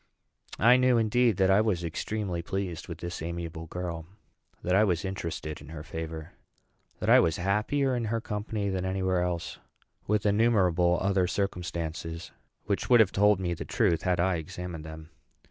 I knew, indeed, that I was extremely pleased with this amiable girl; that I was interested in her favor; that I was happier in her company than any where else; with innumerable other circumstances, which would have told me the truth had I examined them.